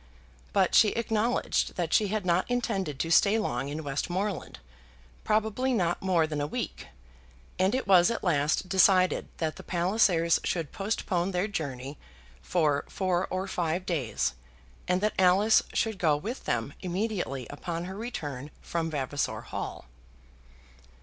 But she acknowledged that she had not intended to stay long in Westmoreland, probably not more than a week, and it was at last decided that the Pallisers should postpone their journey for four or five days, and that Alice should go with them immediately upon her return from Vavasor Hall.